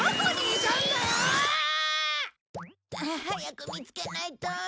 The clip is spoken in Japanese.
早く見つけないと。